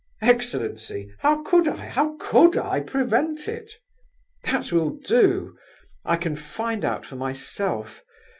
"Excellency, how could I, how could I prevent it?" "That will do. I can find out for myself.